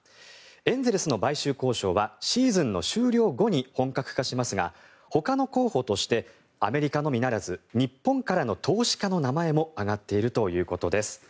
エンゼルスの買収交渉はシーズンの終了後に本格化しますが、他の候補としてアメリカのみならず日本からの投資家の名前も挙がっているということです。